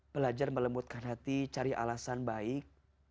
belajar melembutkan hati cari alasan baik